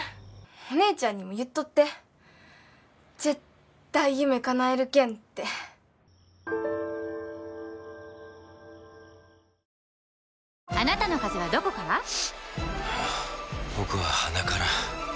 お姉ちゃんにも言っとって絶対夢かなえるけんって最近胃にくるのよ。